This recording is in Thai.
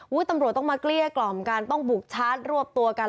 ตำรวจต้องมาเกลี้ยกล่อมกันต้องบุกชาร์จรวบตัวกัน